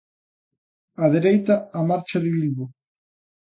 Á dereita, a marcha de Bilbo.